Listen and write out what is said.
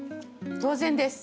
当然です。